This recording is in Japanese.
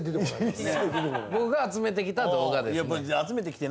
僕が集めてきた動画ですね